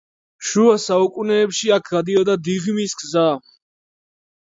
შუა საუკუნეებში აქ გადიოდა „დიღმის გზა“.